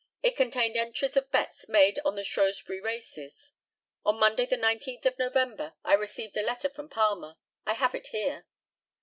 It contained entries of bets made on the Shrewsbury races. On Monday, the 19th of November, I received a letter from Palmer. I have it here.